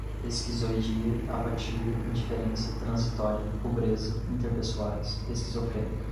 esquizoidia, apatia, indiferença, transitória, pobreza, interpessoais, esquizofrênica